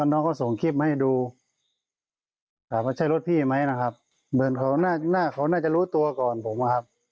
น้องเขาส่งคลิปมาให้ดูถามว่าใช่รถพี่ไหมนะครับเหมือนเขาหน้าเขาน่าจะรู้ตัวก่อนผมอะครับ